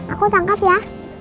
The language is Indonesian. aku tangkap ya